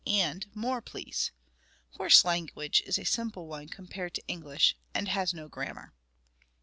and "More, please!" Horse language is a simple one compared to English, and has no grammar.